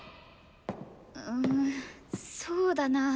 うんそうだなぁ。